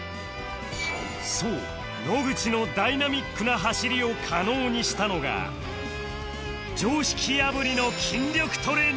そう野口のダイナミックな走りを可能にしたのが常識破りの筋力トレーニング